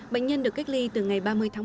bệnh nhân được cách ly từ ngày ba mươi tháng ba